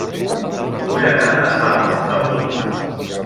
Vull anar a Salt amb moto.